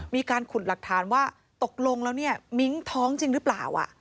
มีการขุดหลักฐานว่าตกลงแล้วเนี่ยมิ้งท้องจริงหรือเปล่า